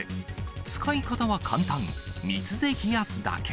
使い方は簡単、水で冷やすだけ。